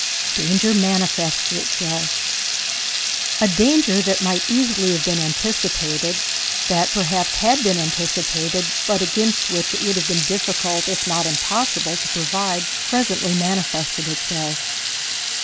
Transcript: Danger Manifests Itself. A danger that might easily have been anticipated, that perhaps had been anticipated, but against which it would have been difficult, if not impossible, to provide, presently manifested itself.